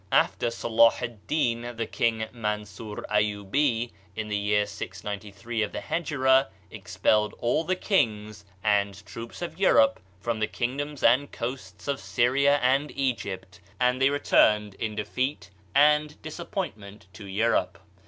After Solah ed Din the King Mansoor Ayooby in the year 693 of Hegira expelled all the kings and troops of Europe from the kingdoms and coasts of Syria and Egypt; and they returned in defeat and disappointment to Europe.